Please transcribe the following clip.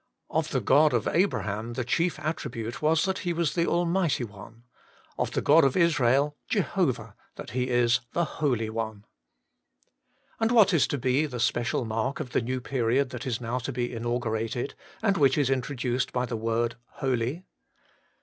Of the God of Abraham the chief attribute was that He was the Almighty One ; of the God of Israel, Jehovah, that He is the Holy One. And what is to be the special mark of the new period that is now about to be inaugurated, and 38 HOLY IN CHRIST. which is introduced by the word holy